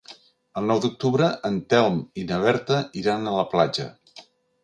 El nou d'octubre en Telm i na Berta iran a la platja.